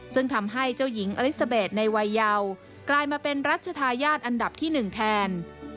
ซึ่งทำให้เจ้าหญิงอลิซาเบสในวัยเยาวกลายมาเป็นรัชธาญาติอันดับที่๑แทน